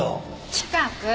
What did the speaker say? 近く。